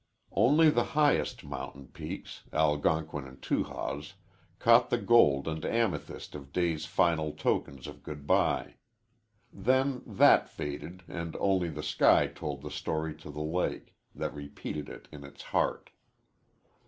Only the highest mountain peaks, Algonquin and Tahawus, caught the gold and amethyst of day's final tokens of good bye. Then that faded, and only the sky told the story to the lake, that repeated it in its heart.